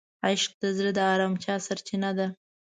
عشق د زړه د آرامتیا سرچینه ده.